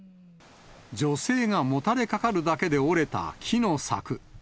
女性がもたれかかるだけで折れた木の柵。